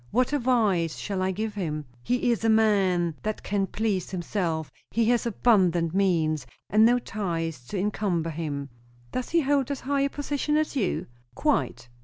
What advice shall I give him? He is a man that can please himself; he has abundant means, and no ties to encumber him." "Does he hold as high a position as you?" "Quite."